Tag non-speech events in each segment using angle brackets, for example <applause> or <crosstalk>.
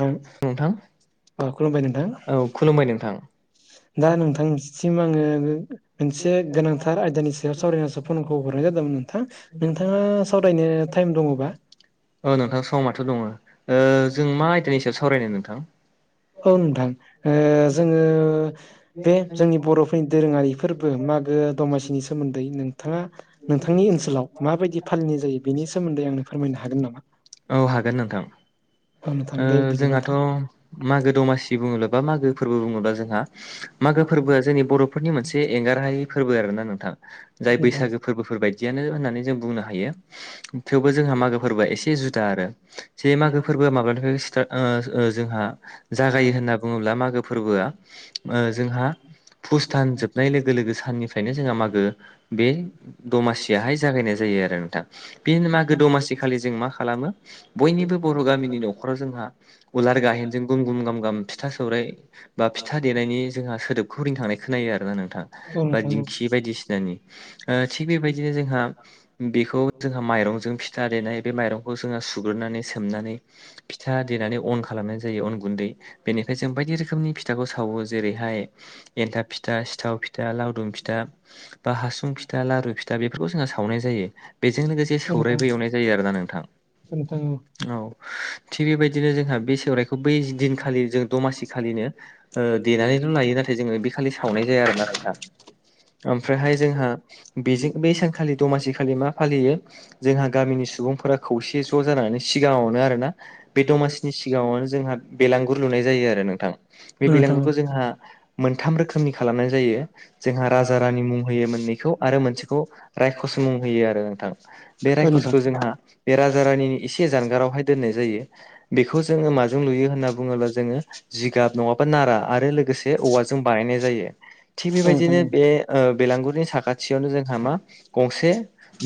नोंथां अ खुलुमबाय औ नोंथां खुलुमबाय नोंथां दा नोंथांसिम आङो मोनसे गोनांथार आयदानि सायाव सावरायनोसो फनखौ हरनाय जादोंमोन नोंथां नोंथाङा सावरायनो टाइम दङबा औ नोंथां समाथ' दङो ओ जों मा आयदानि सायाव सावरायनो नोंथां औ नोंथां ओ जोङो बे जोंनि बर'फोरनि दोरोङारिफोर फोरबो मागो दमासिनि सोमोन्दै नोंथाङा नोंथांनि ओनसोलाव माबायदि फालिनाय जायो बेनि सोमोन्दै आंनो फोरमायनो हागोन नामा औ हागोन नोंथां औ नोंथां ओ दे बिदिबा नोंथां <unintelligible> मागो दमासि बुङोब्ला बा मागो फोरबो बुङोब्ला जोंहा मागो फोरबोआ जोंनि बर'फोरनि मोनसे एंगारहायै फोरबो आरो ना नोंथां जाय बैसागो फोरबोफोर बायदि दियानो होननानै जों बुंनो हायो थेवबो जोंहा मागो फोरबोआ एसे जुदा आरो जे मागो फोरबोआ माब्लानिफ्राय स्टार्ट ओ जोंहा जागायो होनना बुङोब्ला मागो फोरबोआ ओ जोंहा पुष दान जोबनाय लोगो लोगो साननिफ्रायनो जोंहा मागो बे दमासियाहाय जा जागायनाय जायो आरो नोंथां। बे मागो दमासि खालि जों मा खालामो बयनिबो बर' गामिनि न'खराव जोंहा उलार गाहेनजों गुम गुम गाम गाम फिथा सौराय बा फिथा देनायनि जोंहा सोदोब खौ रिंखांनाय खोनायो आरोना नोंथां औ बा नोंथां दिंखि बायदिसिनानि ओ थिग बेबायदिनो जोंहा बिखौ जोंहा माइरंजों फिथा देनाय बे माइरंखौ जोंहा सुग्रोनानै सोमनानै फिथा देनानै अन खालामनाय जायो अन गुन्दै बेनिफाय जों बायदि रोखोमनि फिथाखौ सावो जेरैहाय एन्थाब फिथा सिथाव फिथा लावदुम फिथा बा हासुं फिथा लारु फिथा बेफोरखौ जोंहा सावनाय जायो बेजों लोगोसे औ सौरायबो एवनाय जायो आरोना नोंथां औ थिग बेबायदि दिनो जोंहा बि सौरायखौ बै दिनखालि जों दमासि खालिनो देनानैल' लायो नाथाय जोङो बे खालि सावनाय जाया आरोना दा ओमफ्रायहाय जोंहा बेजों बै सानखालि दमासिखालि मा फालियो जोंहा गामिनि सुबुंफोरा खौसे ज' जानानै सिगाङावनो आरोना। बे दमासिनि सिगाङावनो जोंहा बेलांगुर लुनाय जायो आरो नोंथां। बे ओ नोंथां औ बेलांगुरखौ जोंहा मोनथाम रोखोमनि खालामनाय जायो। जोंहा राजा रानि मुं होयो मोननैखौ आरो मोनसेखौ रायखस मुं होयो आरो नोंथां। बे ओ नोंथां रायखसखौ जोंहा बे राजा रानिनि एसे जानगारावहाय दोननाय जायो। बेखौ जोङो माजों लुयो होनना बुङोब्ला जोङो जिगाब नङाबा नारा आरो लोग गोसे औवाजों बानायनाय जायो। थिग औ नोंथां बेबायदिनो औ बे ओ बेलांगुरिनि साखाथियावनो जोंहा मा गंसे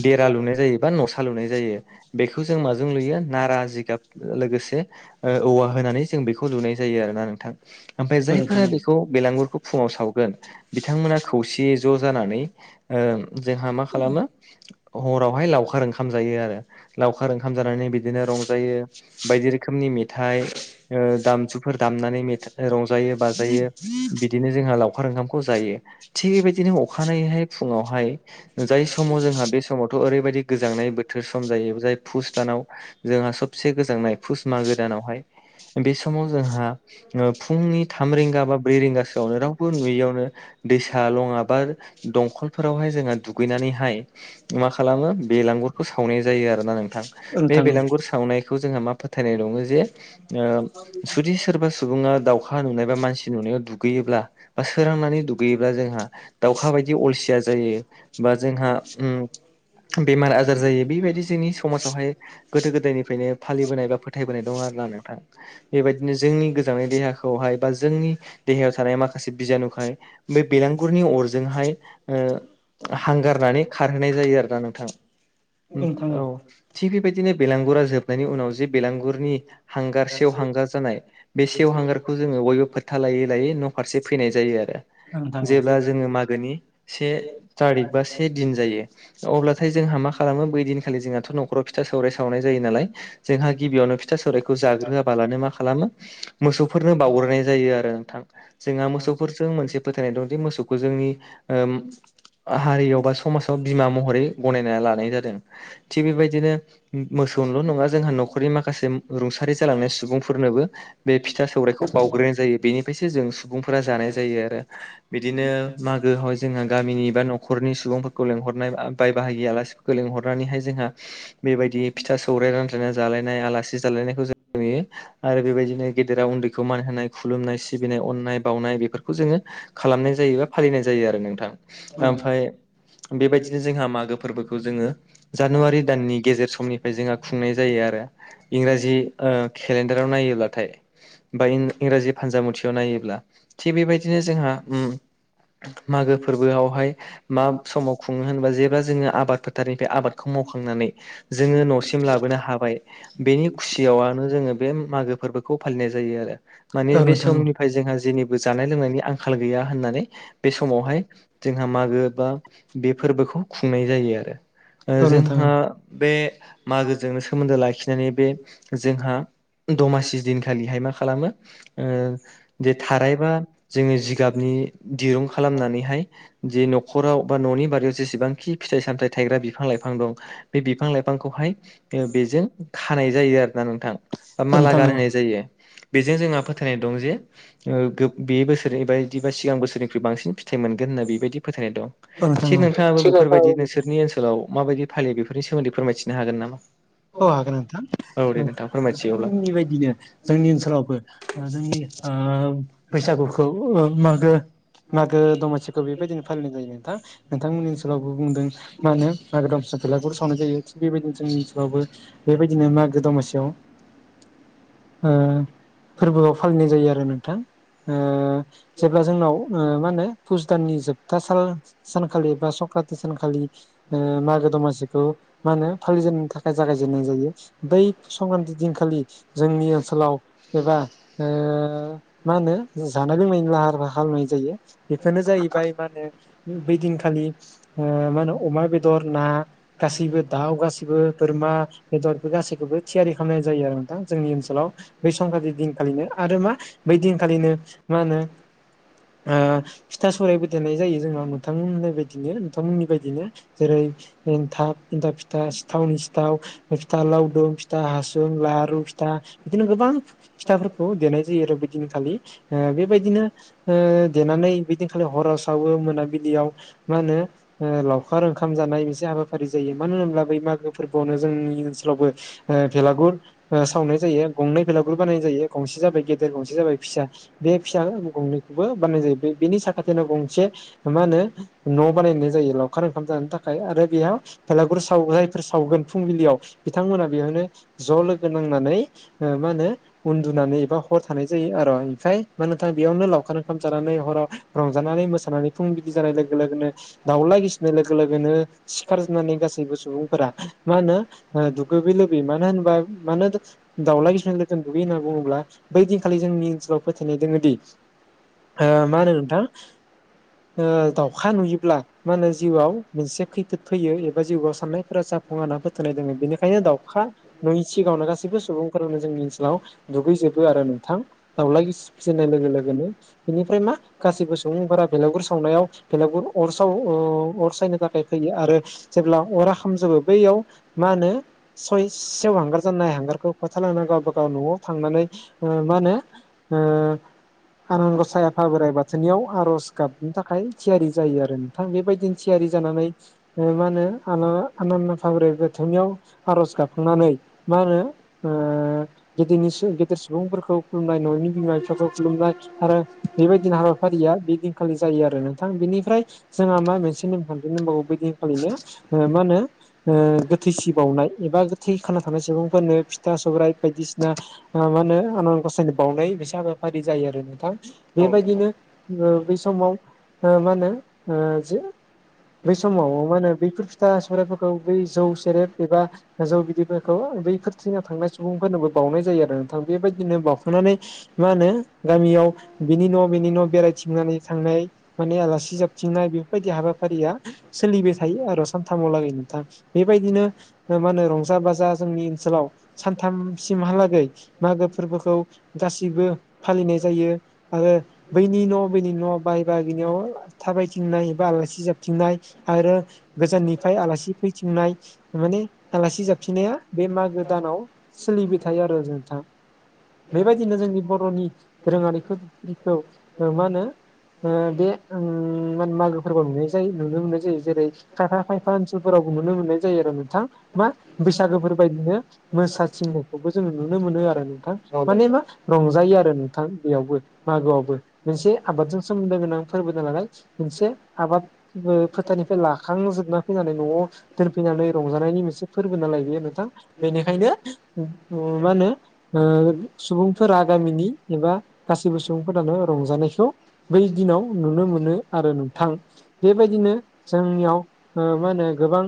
देरा लुनाय जायो, बा न'सा लुनाय जायो। बेखौ जों माजों लुयो नारा, जिगाब लोगोसे ओ औवा होनानै जों बेखौ लुनाय जायो आरो ना नोंथां। ओमफाय ओ नोंथां औ जायफोरा बेखौ बेलांगुरखौ फुङाव सावगोन बिथांमोना खौसेयै ज' जानानै ओ जोंहा मा खालामो हरावहाय लावखार ओंखाम जायो। आरो लावखार ओंखाम जानानै बिदिनो रंजायो। बायदि रोखोमनि मेथाइ ओ दामजुफोर दामनानै मेथा रंज जायो बाजायो बिदिनो जोंहा लावखार ओंखामखौ जायो। थिग बेबायदिनो अखानायैहाय फुङावहाय जाय समाव जोंहा बे समावथ' ओरैबायदि गोजांनाय बोथोर सम जायो। जाय फुस दानाव जोंहा सबसे गोजांनाय फुस मागो दानावहाय बे समाव जोंहा ओ फुंनि थाम रिंगा बा ब्रै रिंगासोआवनो रावबो नुयियावनो दैसा लङा बा दंखलफोरावहाय जोंहा दुगैनानैहाय मा खालामो बेलांगुरखौ सावनाय जायो आरो ना नोंथां। ओ बे बेलांगुर सावनाय खौ जोंहा मा फोथायनाय दङो जे सुदि सोरबा सो सुबुङा दाउखा नुनाय बा मानसि नुनायाव दुगैयोब्ला बा सोरांनानै दुगैयोब्ला जोंहा दाउखा बायदि अलसिया जायो। बा जोंहा‌ उम बेमार आजार जायो बेबायदि जोंनि समाजावहाय गोदो गोदायनिफ्रायनो फालिबोनाय बा फोथायबोनाय दं आरो ना नोंथां। बेबायदिनो जोंनि गोजांनाय देहाखौहाय बा जोंनि देहायाव थानाय माखासे बिजानुखाय बे बेलांगुरनि अरजोंहाय ओ हांगारनानै खारहोनाय जायो आरोना नोंथां। उम नोंथां ओ नोंथां औ थिग बेबायदिनो बेलांगुरा जोबनायनि उनाव जे बेलांगुरनि हांगार सेव हांगार जानाय बे सेव हांगारखौ जोङो बयबो फोथा लायै लायै न' फारसे फैनाय जायो आरो। जेब्ला जोङो मागोनि से थारिख बा से दिन जायो। अब्लाथाय जोंहा मा खालामो बै दिनखालि जोंहाथ' न'खराव फिथा सौराय सावनाय जायो नालाय। जोंहा गिबियावनो फिथा सौरायखौ जाग्रोआ बालानो मा खालामो? मोसौफोरनो बावग्रोनाय जायो आरो नोंथां। जोंहा मोसौफोरजों मोनसे फोथायनाय दं दि मोसौखौ जोंनि ओम आ हारियाव बा समाजाव बिमा महरै गनायना लानाय जादों। थिग बेबायदिनो मोसौल' नङा। जोंहा न'खरनि माखासे रुंसारि जालांनाय सुबुंफोरनोबो बे फिथा सौरायखौ बावग्रोनाय जायो। बेनि फायसो जों सुबुंफोरा जानाय जायो आरो। बिदिनो मागोआव जोंहा गामिनि बा न'खरनि सुबुंफोरखौ लेंहरनाय आ बाहागिया आलासि खो लेंहरनानैहाय जोंहा, बेबायदियै फिथा सौराय रान जोङो जालायनाय आलासि जालायनायखौ जों नुयो, आरो बेबायदिनो गेदेराव उन्दैखौ मान होनाय खुलुमनाय सिबिनाय अननाय बावनाय बेफोर‌ खौ जोङो खालामनाय जायो बा फालिनाय जायो आरो नोंथां। ओ नोंथां औ आमफाय बेबायदिनो जोंहा मागो फोरबोखौ जोङो जानुवारि दाननि गेजेर समनिफ्राय जोंहा खु खुंनाय जायो आरो। इंराजि ओ केलेनदा राव नायोब्लाथाय। बा इन इंराजि फानजामुथियाव नायोब्ला। थिग बेबायदिनो जोंहा उम मागो फोरबोआवहाय मा समाव खुङो होनबा जेब्ला जोङो आबाद फोथारनिफाय आबादखौ मावखांनानै जोङो न'सि लाबोनो हाबाय। बेनि खुसियावनो जोङो बे मागो फोरबोखौ फालिनाय जायो आरो। माने बे नोंथां औ समनि ओमफ्राय जोंहा जेनिबो जानाय लोंनायनि आंखाल गैया होननानै बे समावहाय जोंहा मागो बा बे फोरबोखौ खुंनाय जायो आरो औ नोंथां औ नोंथां जोंहा बे मागोजोंनो सोमोन्दो लाखिनानै बे जोंहा दमासि दिन खालिहाय मा खालामो दे थारायबा जोङो जिगाबनि दिरुं खालामनानैहाय जे न'खराव बा न'नि बारियाव जेसेबांखि फिथाइ सामथायाइ थायग्रा बिफां लाइफां दं बे बिफां लाइफांखौहाय बेजों खानाय जायो आरो ना नोंथां, बा माला औ गानहोनाय जायो। बेजों जोंहा फोथायनाय दं जे बे बोसोरनि बायदि बा सिगां बोसोरनिख्रुइ बांसिन फिथाइ मोनगोन होनना बेबायदि फोथायनाय दं। औ थिग नोंथाङाबो नोंथां औ बेफोरबायदि नोंसोरनि ओनसोलाव माबायदि फालियो बेफोर सोमोन्दै फोरमायथिनो हागोन नामा? औ हागोन नोंथां, औ दे नोंथां फोरमायथियो अब्ला नोंथांनि बायदिनो जोंनि ओनसोलावबो जोंनि बैसागुखौ मागो मागो दमासि बेबायदिनो फालिनाय जायो नोंथां नोंथांमोननि ओनसोलावबो बुंदों माहोनो मागो बेेलाफोर सावनाय जायो थिग बेबायदिनो जोंनि ओनसोलावबो बेबायदिनो मागो दमासियाव ओ फोरबोआव फालिनाय जायो आरो नोंथां जेब्ला जोंनाव मा होनो फुस दाननि जोब सल सानखालि बा संक्रान्थि सानखालि मागो दमासिखौ मा होनो फालिजेननो थाखाय जागायजेननाय जायो बै संक्रान्ति दिनखालि जोंनि ओनसोलाव एबा मा होनो जानाय लोंनायनि लाहार फाहार खालामनाय जायो बेफोरनो जाहैबाय मा होनो बै दिनखालि मा ओ होनो अमा बेदर ना गासैबो दाउ गासैबो बोरमा बेदरफोर गासैखौबो थियारि खालामनाय जायो आरो नों दा जोंनि ओनसोलाव बेै संक्रान्ति दिनखालिनो आरो मा बै दिनखालिनो मा होनो फिथा सौरायबो देनाय जायो जोंना नोंथांनाय बायदिनो नोंथांमोननि बायदिनो जेरै थाब एन्थाब फिथा सिथावनि थाव फिथा लावदुम फिथा हासुं लारु फिथा बिदिनो गोबां फिथाफोरखौ देनाय जायो आरो बिदिनखालि बेबायदिनो देनानै बिदिनखालि हराव सावो मोनाबिलियाव मा होनो लावखार ओंखाम जानाय मोनसे हाबाफारि जायो मानो होनोब्ला बै मागो फोरबोआवनो जोंनि ओनसोलावबो भेलागुर सावनाय जायो गंनै भेलागुर बानायनाय जायो गंसे जाबाय गेदेर गंसे जाबाय फिसा बे फिसा गंनैखौबो बानायनाय जायो बे बेनि साखाथिनो गंसे मा होनो न' बानायनाय जायो लावखार ओंखाम जानो थाखाय आरो बेयाव बेलागुरि साव जाय सावगोन फुंबिलियाव बिथांमोना बेयावनो ज' लोगो नांनानै मा होनो उन्दुनानै एबा हर थानाय जायो आरो ओमफ्राय मा नोंथा बेयावनो लावखार ओंखाम जानानै हराव रंजानानै मोसानानै फुं बिदि जानाय लोगो लोगोनो दाउला गिसिनाय लोगो लोगोनो सिखारजोबनानै गासैबो सुबुं फोरा मा होनो दुगैयै लोबै मानो‌ होनबा दाउला गिसिना लोगोनो दुगै होनना बुङोब्ला बै दिनखालि जोंनि ओनसोलाव फोथायनाय दोङोदि ओ मा होनो नोंथां दाउखा नुयोब्ला मा होनो जिउआव मोनसे खैफोद फैयो एबा जिउआव साननाय फोरा जाफुंआ होनना फोथायनाय दङ बेनिखायनो दाउखा नुयि सिगाङावनो गासैबो सुबुंफोरानो जोंनि ओनसोलाव दुगैजोबो आरो नोंथां दाउला गिसि फिननाय लोगो लोगोनो बेनिफ्राय मा गासैबो सुबुंफोरा बेलागुर सावनायाव बेलागुर अर साव अर सायनो थाखाय फैयो आरो। जेब्ला अरा खामजोबो बैयाव मा होनो सयसेयाव हांगार जानाय हांगारखौ खोथालांना गावबा गाव नआव थांनानै मा होनो। ओ आन गसाय आफा बोराइ बाथौनियाव आरज गाबनो थाखाय थियारि जायो आरो। थां बेबायदिनो थियारि जानानै मा होनो आला आानना फाब्रै बोथोरनियाव आरज गाबाखांनानै मा होनो। ओ-गेदेरनि गेदेर सुबुंफोरखौ खुलुमनाय ननि बिमा बिफाखौ खुलुमनाय आरो। बेबायदिनो हाबाफारिया बेदिनखालि जायो आरो नोंथां बेनिफ्राय। जोंहा मा मोनसे नेमखान्थि नबावौ बिदिखालिनो मा होनो। ओ-गोथै सि बावनाय एबा गोथै खाना थानाय सुबुंफोरनो फिथा सौाइ बायदिसिना। मा होनो आनान गसायनो बावनाय मोनसे हाबाफारि जायो आरो नोंथां औ नोंथां बेबायदिनो। बेै समाव मा होनो ओ-जे बै समाव मा होनो बैफोर फिथा सौाइफोरखौ बै जौ सेरेब एबा जौ बिददिफोरखौ बैफोरथिनाव थांनाय सुबुंफोरनोबो बावनाय जायो आरो नोंथां बेबायदिनो बावखानानै। मा होनो गामियाव बिनि न बिनि न बेरायथिंनानै थांनाय। माने आलासि जाबथिंनाय बेफोरबायदि हाबाफारिया सोलिबाय थायो आरो स थामाव लागै नोंथां बेबायदिनो मा होनो रंजा बाजा जोंनि ओनसोलाव। सानथामसिमहालागै मागो फोरबोखौ गासैबो फालिनाय जायो। आरो बैनि न बैनि न बाहाय बाहागिनायाव थाबायथिंनाय एबा आलासि जाबथिंनाय आरो गोजाननि। माय आलासि फैथिंनाय माने आलासि जाबथिंननाया। बे मागो दानाव सोलिबाय थायो आरो नोंथां। बेबायदिनो जोंनि बरनि रोङारिखौ मा होनो। ओ-बे उम मानो मागोफोरखौ नुनाय जायो नुनो मोननाय जायो जेरै खायफा खायफा ओनसोलफोरावबो नुनो मोननाय जायो आरो नोंथां मा बैसागोफोर बायदिनो। मोसाथिंनायखौबो जों नुनो मोनो आरो नोंथां औ माने नोंथां मा रंजायो आरो नों थां बेयावबो मागोआवबो मोनसे आबादजों सोमोन्दो गोनां फोरबोनालाय। मोनसे आबाद फोथारानिफ्राय लाखांजोबना। फैनानै नआव दोनफैनानै रंजानायनि मोनसे फोरबो नालाय बेयो नोंथां। बेनिखायनो मा होनो। ओ-सुबुंफोरा गामिनि एबा गासैबो सुबुंफोरानो रंजानायखौ। बै दिनाव नुनो मोनो आरो नोंथां बेबायदिनो जोंनियाव। ओ मा होनो गोबां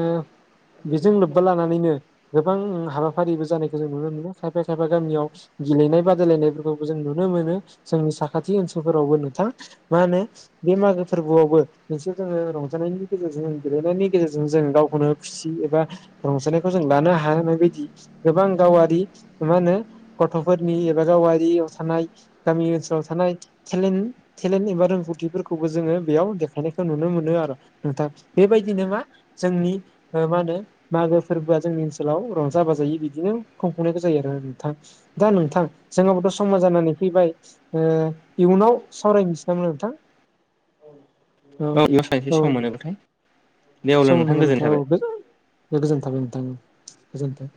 ओ-बेजों लोब्बा लानानैनो। गोबां हाबाफारिबो जानायखौ जों नुनो मोनो खायफा खायफा गामियाव। गेलेनाय बादायलायनायफोरखौबो जों नुनो मोनो जोंनि साखाथि ओनसोलफोरावबो नोंथां। मा होनो बे मागो फोरबोआवबो मोनसे जोङो रंजानायनि। गेजेरजों गेलेनायनि गेजेरजों जों गावखौनो खुसि एबा रंजानायखौ जों लानो हानाय बायदि। गोबां गावारि मा होनो गथफोरनि एबा गावारियाव थानाय। गामि ओनसोलाव थानाय। थेलेन्ट थेलेन्ट एबा रोंगौथिफोरखौबो जोङो बेयाव देखायनायखौ नुनो मोनो आरो। नथां बेबायदिनो मा जोंनि मा होनो मागो। फोरबोआ जोंनि ओनसोलाव रंजा बाजायै बिदिनो खुंफुंनायखौ जायो आरो नोंथां दा नोंथां। जोंहाबोथ समा जानानै फैबाय ओ-इयुनाव सावरायनिसै नामा नोंथां। औ बे सानैसे औ सम मोनोथाय दे अब्ला नोंथां गोजोननाय थाबाय। गोजोनथाबाय नोंथां गोजोनथों।